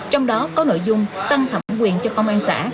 trong đó có nội dung tăng thẩm quyền cho công an xã